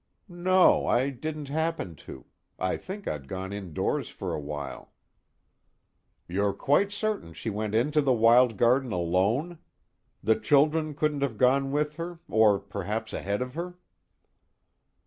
"No, I didn't happen to. I think I'd gone indoors for a while." "You're quite certain she went into the wild garden alone? The children couldn't have gone with her, or perhaps ahead of her?"